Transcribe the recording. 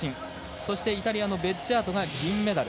そして、イタリアのベッジャートが銀メダル。